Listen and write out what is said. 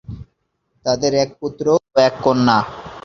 তাদের এক পুত্র ও এক কন্যা।